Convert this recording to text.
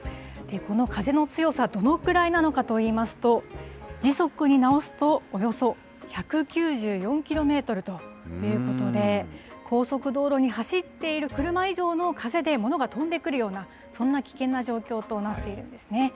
この風の強さ、どのくらいなのかといいますと、時速に直すとおよそ１９４キロメートルということで、高速道路に走っている車以上の風で、物が飛んでくるような、そんな危険な状況となっているんですね。